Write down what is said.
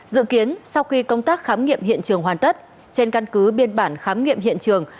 dự kiến sau khi công tác khám nghiệm hiện trường hoàn tất trên căn cứ biên bản khám nghiệm hiện trường